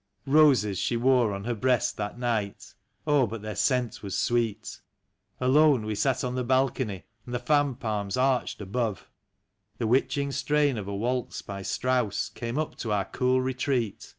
... Eoses she wore on her breast that night. Oh, but their scent was sweet; Alone we sat on the balcony, and the fan palms arched above; The witching strain of a waltz by Strauss came up to our cool retreat.